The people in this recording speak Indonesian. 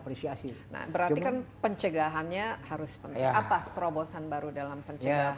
berarti kan pencegahannya harus penting apa terobosan baru dalam pencegahannya